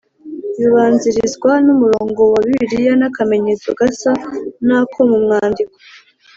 bibanzirizwa n umurongo wa Bibiliya n akamenyetso gasa n ako mu mwandiko